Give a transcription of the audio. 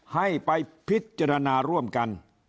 ให้ไปพิจารณาร่วมกัน